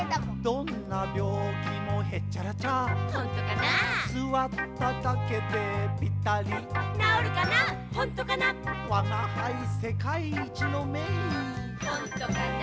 どんなびょうきもへっちゃらちゃほんとかなすわっただけでぴたりなおるかなほんとかなわがはいせかいいちのめいいほんとかな？